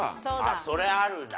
それあるな。